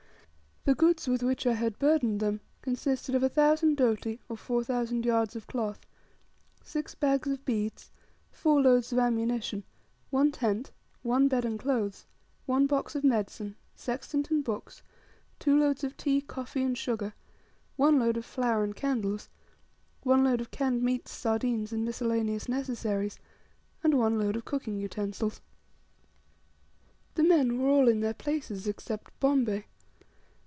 The goods with which I had burdened them, consisted of 1,000 doti, or 4,000 yds. of cloth, six bags of beads, four loads of ammunition, one tent, one bed and clothes, one box of medicine, sextant and books, two loads of tea, coffee, and sugar, one load of flour and candles, one load of canned meats, sardines, and miscellaneous necessaries, and one load of cooking utensils. The men were all in their places except Bombay.